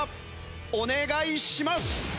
お願いします！